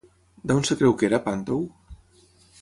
D'on es creu que era Pàntou?